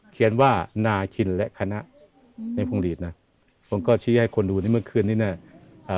เขียนว่านาชินและคณะในพวงหลีดนะผมก็ชี้ให้คนดูนี่เมื่อคืนนี้น่ะอ่า